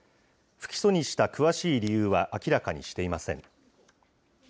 不起訴にした詳しい理由は明らかにしていません。